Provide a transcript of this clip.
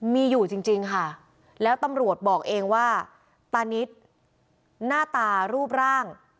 มีอยู่จริงค่ะแล้วตำรวจบอกเองว่าตานิดหน้าตารูปร่าง